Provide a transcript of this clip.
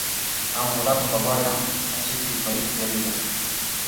Am votat în favoarea acestui proiect de rezoluție.